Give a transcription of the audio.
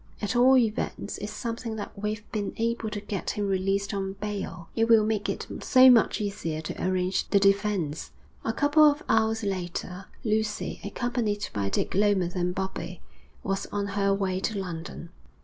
'At all events it's something that we've been able to get him released on bail. It will make it so much easier to arrange the defence.' A couple of hours later Lucy, accompanied by Dick Lomas and Bobbie, was on her way to London.